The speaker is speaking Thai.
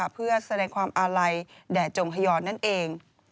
เพื่อแสดงความอาลัยแด่จงฮยรนั่นเอง